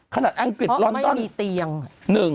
ขนาดแองกฤษร้อนต้นเพราะไม่มีเตียง